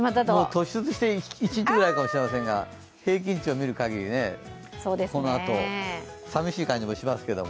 突出して、１日ぐらいかもしれませんが、平均値を見るかぎり、このあとさみしい感じもしますけど。